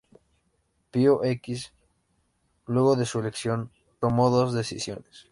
Pío X, luego de su elección, tomó dos decisiones.